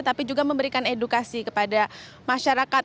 tapi juga memberikan edukasi kepada masyarakat